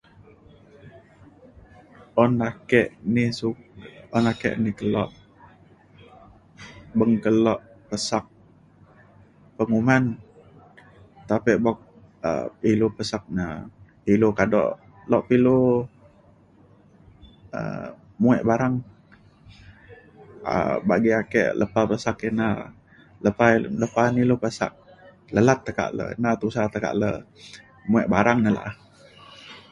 Un ake ni su- um ake ni kelo beng kelo pesak penguman tapek buk um ilu pesak na ilu kado lok pa ilu um muek barang. um bagi ake lepa pesak kina lepa ini ilu pesak lelah tekak le na tusah tekak le muek barang na la’a